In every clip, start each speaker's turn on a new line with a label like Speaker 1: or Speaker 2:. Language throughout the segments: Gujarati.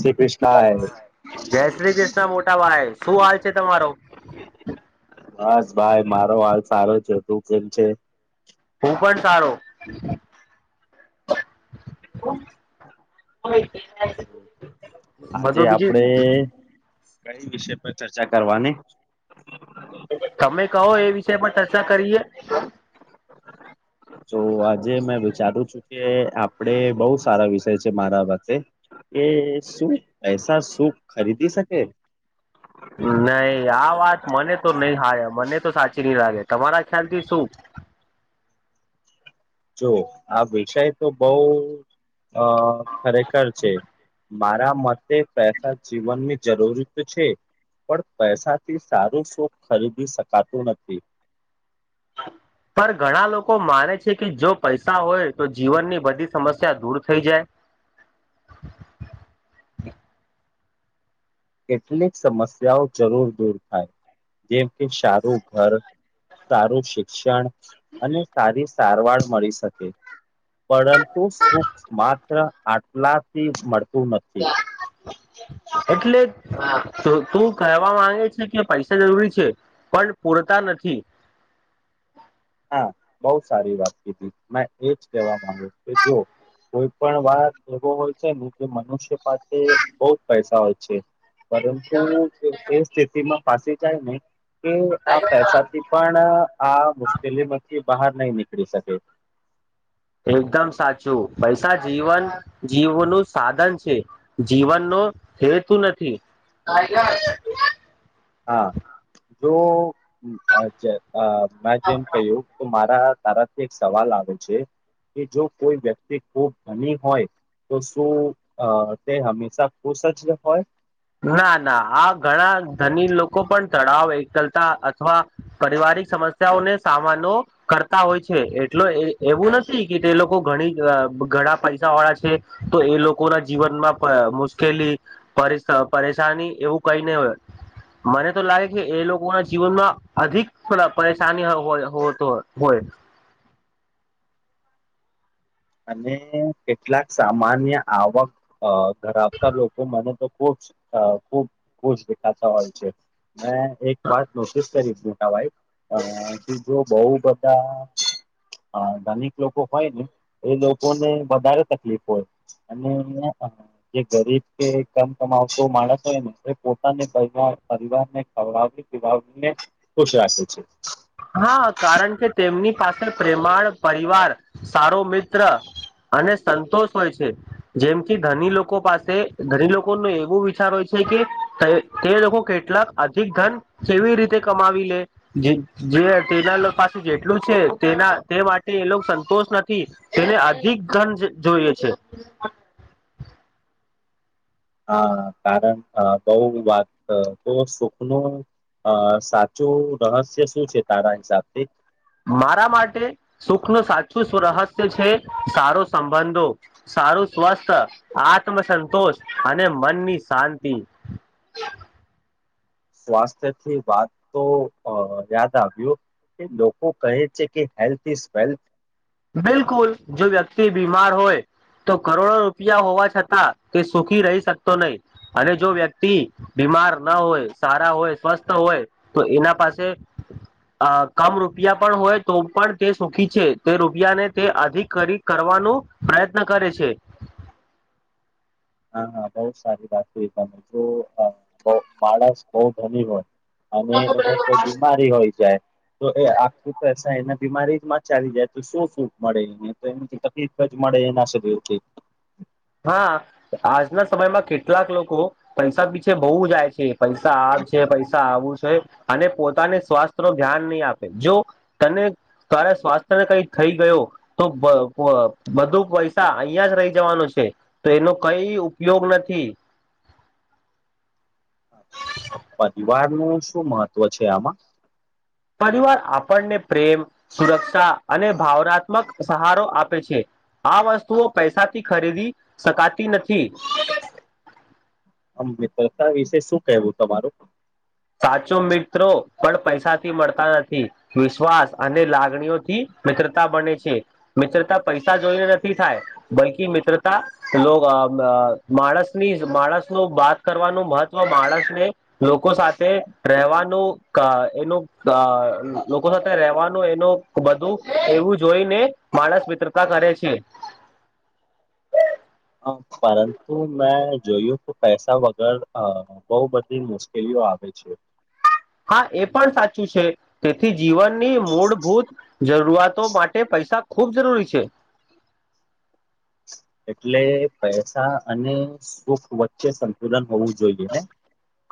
Speaker 1: શ્રી કૃષ્ણ
Speaker 2: જય શ્રી કૃષ્ણ મોટા ભાઈ શું હાલ છે તમારો
Speaker 1: બસ ભાઈ મારો હાલ સારો છે તું કેમ છે
Speaker 2: હું પણ સારો [inaudible]
Speaker 1: આજે
Speaker 2: બધું બીજી
Speaker 1: આપડે કઈ વિષય પર ચર્ચા કરવાની
Speaker 2: તમે કહો એ વિષ પણ ચર્ચા કરીએ [inaudible]
Speaker 1: તો આજે મેં વિચારું છું કે આપણે બોવ સારા વિષય છે મારા વતે એ કે શું પૈસા શું ખરીદી શકે
Speaker 2: હમ્મ નહી આ વાત મને તો નહી હારે મને તો સાચી ની લાગે તમારા ખ્યાલ થી શું
Speaker 1: જો આ વિષય તો બઉ અ ખરેખર છે. મારા મતે પૈસા જીવનની જરૂરી તો છે. પણ પૈસાથી સારું સૂપ ખરીદી શકાતું નથી
Speaker 2: [inaudible] પણ ઘણા લોકો માને છે કે જો પૈસા હોય તો જીવનની બધી સમસ્યા દૂર થઈ જાય [inaudible]
Speaker 1: કેટલીક સમસ્યાઓ જરૂર દૂર થાય જેમ કે સારું ઘર સારું શિક્ષણ અને સારી સારવાર મળી શકે પરંતુ સુખ માત્ર આટલાથી મળતું નથી
Speaker 2: [inaudible] એટલે તું કહેવા માંગે છે કે પૈસા જરૂરી છે પણ પૂરતા નથી
Speaker 1: હા બોવ સારી વાત કીધી મે એજ કવા માંગુ કે જો કોઈ પણ વાત એવો હોય છે ને જે મનુષ્ય પાસે બોવ જ પૈસા હોય છે. પરંતુ એ સ્થિતિમાં પાસી જાય ને કે આ પૈસાથી પણ આ વસ પેલી મકી બહાર નહી નીકળી શકે
Speaker 2: એકદમ સાચું પૈસા જીવન જીવનું સાધન છે જીવનનું હેતું નથી
Speaker 1: હા જો અ [unintelligible] મે જેમ કહ્યું તો મારા તારાથી એક સવાલ આવે છે. કે જો કોઈ વ્યક્તિ ખૂબ ઘની હોય તો શું અ તે હંમેશા ખુશ જ હોય
Speaker 2: ના ના આ ઘણા ધની લોકો પણ તળાવ એકલતા અથવા પરિવાર સમસ્યાઓને સામાનો કરતા હોય છે એટલો એવું નથી કે તે લોકો ઘણી ઘણા પૈસા વાળા છે તો એ લોકોના જીવનમાં પ મુશ્કેલી પરી પરેશાની એવું કઈ નહી હોય મને તો લાગે કે એ લોકો ના જીવનમાં અધિક પરેશાની હોય હોતો હો [inaudible]
Speaker 1: અને કેટલાક સામાન્ય આવક અ ધરાવતા લોકો મને તો ખુબ અ ખુબ ખુશ દેખાતા હોય છે મેં એક વાત નોટીસ કરી [unintelligible] અ જો બોવ બધા હા ધનિક લોકો હોય ને એ લોકો ને વધારે તકલીફ હોય. અને જે ગરીબ કે કમ કમાવતો માણસ હોય ને એ પોતાને [unintelligible] પરિવાર ને ખવડાવ પીવડાવીને ખુશ રાખે છે.
Speaker 2: હા કારણ કે તેમની પાસે પ્રેમાળ પરિવાર સારો મિત્ર અને સંતોષ હોય છે જેમ કે ધની લોકો પાસે ધની લોકો ને એવું વિચાર હોય છે કે તે લોકો કેટલાક અધિક ધન કેવી રીતે કમાવી લે જે જે તેના પાસે જેટલું છે તેના તે માટે એ લોકો સંતોષ નથી તેને અધિ ક ગન જોઈએ છે.
Speaker 1: હા કારણ બઉ વાત બઉ સુખ નું. અ સાચું રહસ્ય શું છે તારા હિસાબથી.
Speaker 2: મારા માટે સુખ નું સાચું રહસ્ય છે સારો સંબંધો. સારું સ્વસ્થ આત્મસંતોષ અને મનની શાંતિ. [inaudible]
Speaker 1: સ્વાસ્થ્ય થી વાત તો અ યાદ આવ્યું. કે લોકો કહે છે કે હેલ્થ ઇઝ વેલ્થ.
Speaker 2: બિલકુલ જો વ્યક્તિ બીમાર હોય. તો કરોડો રૂપિયા હોવા છતાં તે સુખી રહી શકતો નઈ અને જો વ્યક્તિ. માર ના હોય સારા હોય સ્વસ્થ હોય તો એના પાસે અ કમ રૂપિયા પણ હોય તો પણ તે સુખી છે. તે રૂપિયાને તે અધિક કરવાનો પ્રયત્ન કરે છે. [inaudible]
Speaker 1: હા બઉ સારી વાત તમે જો માણસ બઉ ધની હોય. અને એને કોઈ બીમારી હોય જાય તો એ આખું એના બીમારીમાં ચાલી જાય તો શું સુખ મળે તો એ તકલીફ જ મળે એના શરીરથી.
Speaker 2: હા. આજના સમયમાં કેટલાક લોકો પૈસા પીછે બઉ જાય છે પૈસા આ છે પૈસા આવું છે અને પોતાની સ્વાસ્થ્ય નું ધ્યાન નહીં આપે જો તને તારે સ્વાસ્થ્યને કઈ થઈ ગયો તો બધું પૈસા અહિયાં જ રહી જવાનો છે. તો એનો કઈ ઉપયોગ નથી.
Speaker 1: પરિવાર નું શું મહત્વ છે આમાં
Speaker 2: પરિવાર આપણને પ્રેમ સુરક્ષા અને ભાવનાત્મક સહારો આપે છે. આ વસ્તુઓ પૈસાથી ખરીદી શકાતી નથી.
Speaker 1: આમ મિત્રતા વિશે શું કહેવું તમારું?
Speaker 2: સાચો મિત્રો પણ પૈસાથી મળતા નથી વિશ્વાસ અને લાગણીઓથી મિત્રતા બને છે મિત્રતા પૈસા જોઈને નથી થાય બૈકી મિત્રતા લો અમ માણસની માણસનું બાત કરવાનું મહત્વ માણસને લોકો સા તે રહેવાનું ક એનું લોકો સાથે રહેવાનું એનું બધું એવું જોઈને માણસ મિત્રતા કરે છે.
Speaker 1: પરંતુ મેં જોયું કે પૈસા વગર અ બઉ બધી મુશ્કેલીઓ આવ વે છે.
Speaker 2: હા એ પણ સાચું છે તેથી જીવનની મૂળભૂત જ શઆતો માટે પૈસા ખૂબ જરૂરી છે.
Speaker 1: એટલે પૈસા અને સુખ વચ્ચે સંંતુલન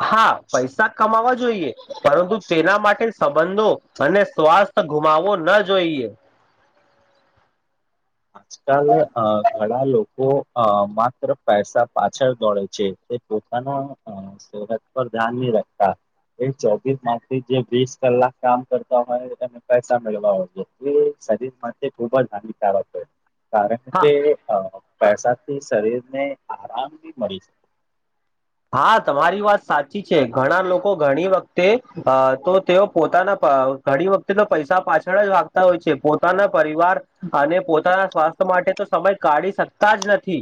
Speaker 2: હા, પૈસા કમાવાજ જોઈએ. પરંતુ તેના માટે સંબંધો અને સ્વાસ્થ ગુમાવવો ન જોઈએ. [inaudible]
Speaker 1: આજકાલ અ ઘણા લોકો અ માત્ર પૈસા પાછળ દોડે છે. તે પોતાના અ સેહત પર ધ્યાન ની [unintelligible] એ ચોવીસ માખ થી જે વીસ કલાક કામ કરતા હોય એને પૈસા મેળવા હોય છે. શરીર માટે ખૂબ જ હાનિકારક હોય કારણ
Speaker 2: હા
Speaker 1: કે અ પૈસાથી શરીર ને આરામ બી મળી શકે
Speaker 2: હા, તમારી વાત સાચ ચી છે. ઘણા લોકો ઘણી વખતે અ તો તેઓ પોતાના અ ઘણી વખતે તો પૈસા પાછળ જ વાગતા હોય છે. પોતાના પરિવાર અને પોતાના સ્વાસ્થ્ય માટે તો સમય કાઢી શકતા જ નથી.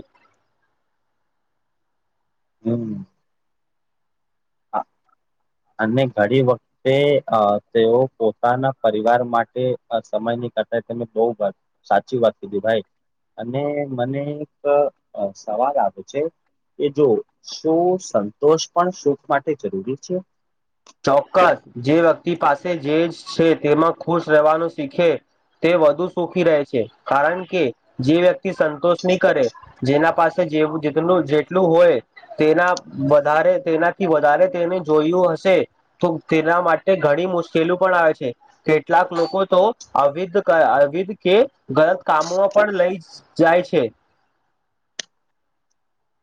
Speaker 1: હમ્મ આ અને ઘણી વખતે અ તેઓ પોતાના પરિવાર માટે સમય [unintelligible] કરતા તમે બહું સાચી વાત કીધી ભાઈ. અને મને એક સવાલ આવે છે એ જોવ શું સંતોષ પણ સુખ માટે જરૂરી છે?
Speaker 2: ચોક્કસ જે વ્યક્તિ પાસે જે શે તેમાં ખુશ રહેવાનું શીખે તે વધુ સુખી રહે છે. કારણ કે જે વ્યક્તિ સંતોષ નહીં કરે, જેના પાસે જેવુ જેટલું જેટલું હોય, તેના વધારે તેનાથી વધારે તેને જોયું હશે તો તેના માટે ઘણી મુશ્કેલી પણ આવે છે. કેટલાક લોકો તો અવિધ કયા અવિધ કે ગલત કામોમાં પણ લઈ જાય છે. [unintelligible]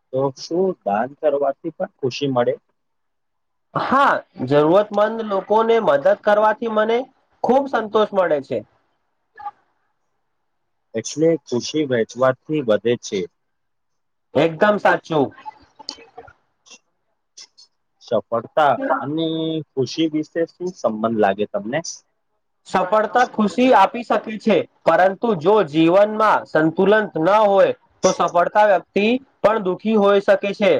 Speaker 1: તો શું દાન કરવાથી પણ ખુશી મળે?
Speaker 2: હા, જરૂરતમંદ લોકોને મદદ કરવાથી મને ખૂબ સંતોષ મળે છે.
Speaker 1: એટલે ખુશી વહેંચવાથી વધે છે.
Speaker 2: એકદમ સાચું.
Speaker 1: સફળતા અને ખુશી વિશે શું સંબંધ લાગે તમને?
Speaker 2: સફળતા ખુશી આપી શકે છે. પરંતુ જો જીવનમાં સંતુલન ન હોય તો સફળતા વ થી પણ દુઃખી હોઈ શકે છે.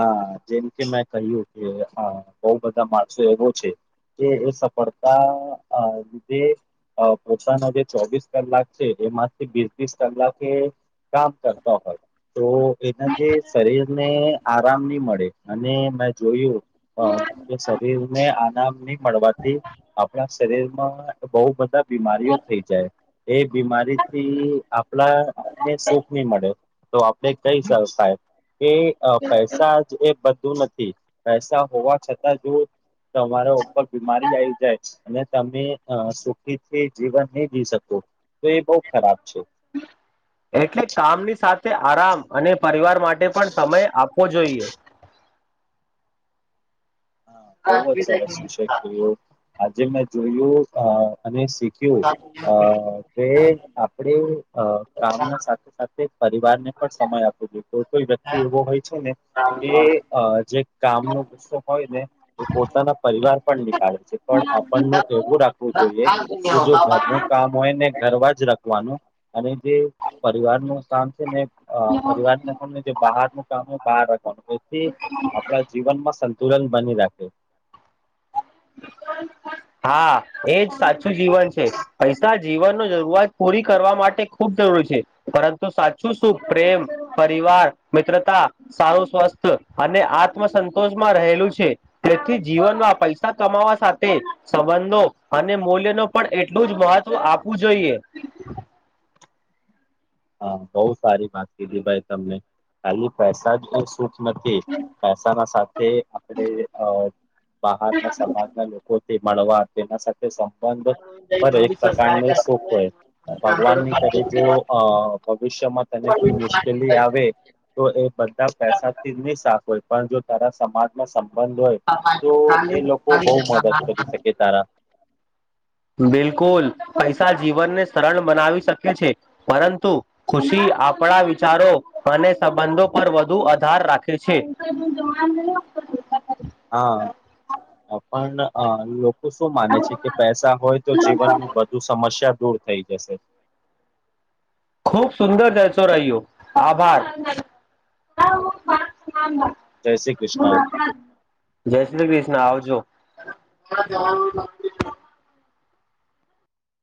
Speaker 1: આહા જેમ કે મેં કહ્યું કે, હ બહ બધા માણસો એવો છે. એ એ સફળતા અ લીધે અ પોતાના જે ચોવીસ કલાક છે. એમાંથી વીસ વીસ કલાકે કામ કરતા હોય. તો એના જે શરીરને આરામ નહી મળે. અને મેં જોયું અ કે શરીર ને આનામ નહી મળવાથી આપણા શરીર માં બહું બધા બીમારીઓ થઈ જાય. એ બીમારી થી આપણાને સુખ નહી મળે. તો આપણે કહી શકાય, કે એ પૈસા જ એ બધું નથ થી પૈસા હોવા છતાં જો તમારા ઉપર બીમારી આવી જાય અને તમે અ સુખીથી જીવન નહી જી શકો તો એ બહુ ખરાબ છે.
Speaker 2: એટલે કામની સાથ આરામ, અને પરિવાર માટે પણ સમય આપવો જોઈએ.
Speaker 1: હા બહવ જ સરસ વિષેકું આજે મેં જોયું અને શીખ્યું અ કે આપણે અ કામના સાથે સાથે પરિવાર ને પણ સમય આપવો જોઈએ કોઈ કોઈ વ્યક્તિ એવો હોય છે ને કે જે કામનોો ગુસ્સો હો એ પોતાના પરિવાર પણ નીકળે છે પણ આપણનું એવું રાખવું જોઈએ કે જો ઘરનું કામ હોય ને ઘરવા જ રખવાનું જે પરિવાર નું કામ છે ને પરિવાર તને જે બહાર નું કામ હોય બહાર એથી આપણા જીવનમાં સંતુલન બની રાખે
Speaker 2: બ હા એજ સાચું જીવન છે પૈસા જીવન ન જરૂરઆત પૂરી કરવા માટે ખુબ રી છે પરંતુ સાચું શું પ્રેમ પરિવાર મિત્રતા સારું સ્વસ્થ અને આત્મસંતોષમાં રહેલું છે તેથી જીવનમાં પૈસા ૈ કમાવા સાથે સંબંધો અને મૂલ્ય ન પણ એટલું જ મહત્વ આપવું જોઈએ [inaudible]
Speaker 1: હા બહુ સારી વાત કીધી ભાઈ તમને ખાલી પૈસા જ સુખ નથી પૈસાના સાથે આપણે અ બહાર ના સમાજના લોકો થી મળવા સંબંધ પર એક પ્રકારને સુખ હોય ભગવાન ની કરીે જો અ ભવિષ્યમાં તેને કોઈ મુશ્કેલી આવે તો એ બધા પૈસાથી નહી હોય પણ જો તારા સમાજમાં બંધ હોય તો એ લોકો બહુ મદદ કરી શકે તારા
Speaker 2: બિલકુલ પૈસા જીવનને સરળ બનાવી શકે છે પરંતુ ખુશી આપણા વિચારો અને સંબંધો પર વધુ આધાર રાખે છે [inaudible]
Speaker 1: હા અ, પણ અ લોકો શું માને છે કે પૈસા હોય તો જીવનનુંું બધું સમસ્યા દૂર થઈ જશે
Speaker 2: ખુબ સુંદર જાય છો રહહીય્યો આભાર
Speaker 1: જય શ્રી કૃષ્ણ
Speaker 2: જય શ્રી કૃષ્ણ આવજો જવાનું